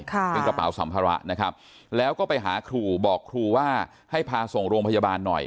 เป็นกระเป๋าสัมภาระนะครับแล้วก็ไปหาครูบอกครูว่าให้พาส่งโรงพยาบาลหน่อย